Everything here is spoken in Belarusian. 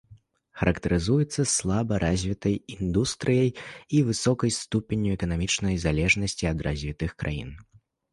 Характарызуюцца слаба развітай індустрыяй і высокай ступенню эканамічнай залежнасці ад развітых краін.